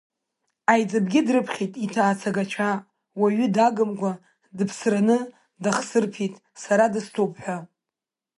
Аиҵыбгьы дрыԥхьеит иҭацаагацәа уаҩы дагымкәа дыԥсраны дахсырԥеит, сара дыстәуп ҳәа.